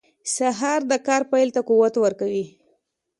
سهار د کار پیل ته قوت ورکوي.